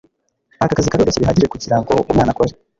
Aka kazi karoroshye bihagije kugirango umwana akore.